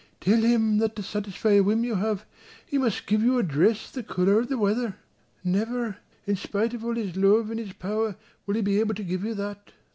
Tell him that to satisfy a whim you have, he must give you a dress the colour of the weather. Never, in spite of all his love and his power will he be able to give you that."